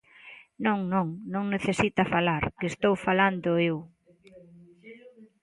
Non, non, non necesita falar, que estou falando eu.